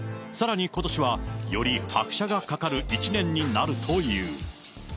さらにことしは、より拍車がかかる一年になるという。